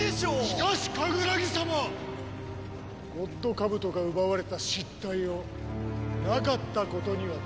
しかしカグラギ様ゴッドカブトが奪われた失態をなかったことにはできません。